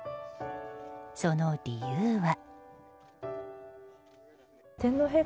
その理由は。